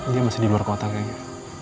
dia masih di luar kota kayaknya